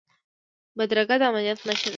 بدرګه د امنیت نښه ده